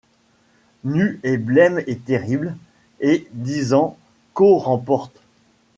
Nue et blême et terrible, et disant : qu’oh remporte